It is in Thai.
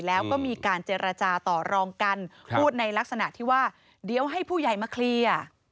แล้วก็มีการเจรจาต่อรองกันพูดในลักษณะที่ว่าเดี๋ยวให้ผู้ใหญ่มาเคลียร์